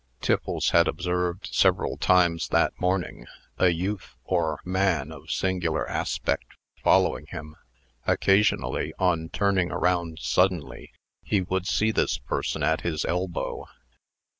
Tiffles had observed several times, that morning, a youth, or man, of singular aspect, following him. Occasionally, on turning around suddenly, he would see this person at his elbow.